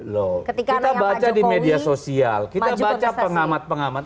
loh kita baca di media sosial kita baca pengamat pengamat